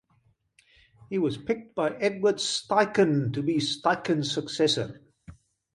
He was picked by Edward Steichen to be Steichen's successor.